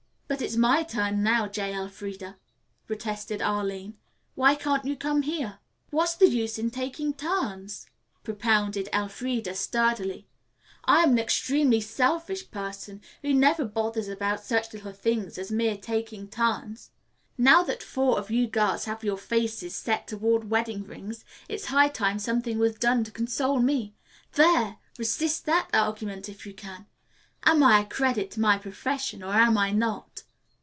"But it's my turn, now, J. Elfreda," protested Arline. "Why can't you come here?" "What's the use in taking turns?" propounded Elfreda sturdily. "I am an extremely selfish person who never bothers about such little things as mere 'taking turns.' Now that four of you girls have your faces set toward wedding rings, it's high time something was done to console me. There! Resist that argument if you can. Am I a credit to my profession, or am I not?"